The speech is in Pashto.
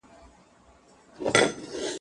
پدې سورت کي د سياست او ټولنيز ژوند يادوني سوي دي.